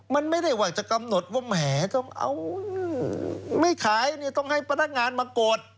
มันไม่ได้ว่าจะกำหนดว่าแหมไม่ขายต้องให้พนักงานมากด